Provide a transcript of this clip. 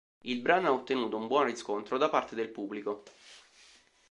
Il brano ha ottenuto un buon riscontro da parte del pubblico.